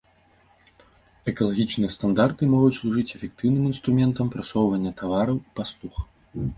Экалагічныя стандарты могуць служыць эфектыўным інструментам прасоўвання тавараў і паслуг.